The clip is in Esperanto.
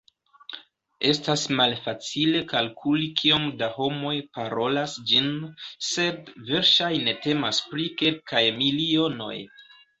Estas malfacile kalkuli kiom da homoj "parolas" ĝin, sed verŝajne temas pri kelkaj milionoj.